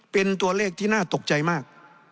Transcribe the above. เป็นตัวเลขที่น่าตกใจมาก